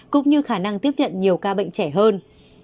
cũng như khả năng tiếp nhận nhiều ca bệnh trẻ hơn